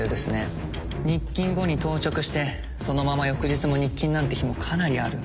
日勤後に当直してそのまま翌日も日勤なんて日もかなりある。